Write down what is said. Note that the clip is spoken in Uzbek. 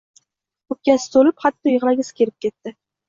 o‘pkasi to‘lib, hatto yig‘lagisi kelib ketdi.